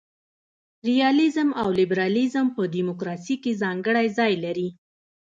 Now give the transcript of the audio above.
ریالیزم او لیبرالیزم په دموکراسي کي ځانګړی ځای لري.